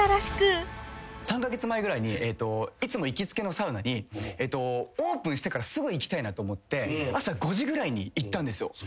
３カ月前ぐらいにいつも行きつけのサウナにオープンしてからすぐ行きたいなと思って朝５時ぐらいに行ったんですよ。